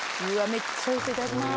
めっちゃおいしそういただきます